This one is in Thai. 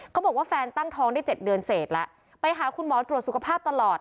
บอกว่าแฟนตั้งท้องได้๗เดือนเสร็จแล้วไปหาคุณหมอตรวจสุขภาพตลอด